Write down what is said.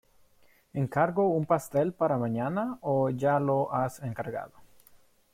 Encargo un pastel para mañana ¿o ya lo has encargado?